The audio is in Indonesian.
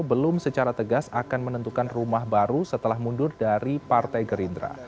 belum secara tegas akan menentukan rumah baru setelah mundur dari partai gerindra